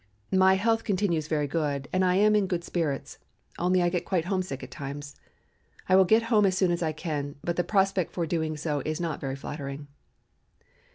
My health continues very good, and I am in good spirits, only I get quite homesick at times. I will get home as soon as I can, but the prospect for doing so is not very flattering."